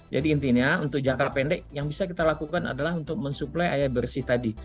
jadi intinya untuk jangka pendek yang bisa kita lakukan adalah untuk mensuplai air bersih tadi